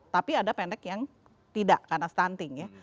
tapi ada pendek yang tidak karena stunting ya